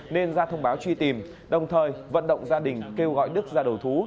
nên ra thông báo truy tìm đồng thời vận động gia đình kêu gọi đức ra đầu thú